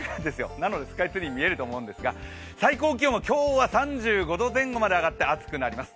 なのでスカイツリー見えると思いますが最高気温も今日は３５度前後まで上がって暑くなります。